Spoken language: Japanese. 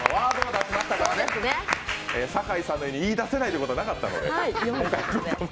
酒井さんのように言い出せないということはなかったので。